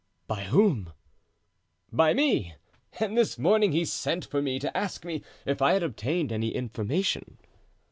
"By whom?" "By me; and this morning he sent for me to ask me if I had obtained any information."